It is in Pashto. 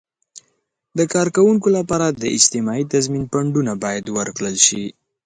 د کارکوونکو لپاره د اجتماعي تضمین فنډونه باید ورکړل شي.